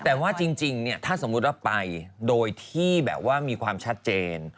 แต่ว่าจริงเนี่ยถ้าสมมุติว่าไปโดยที่แบบว่ามีความชัดเจน